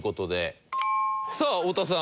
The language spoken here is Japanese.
さあ太田さん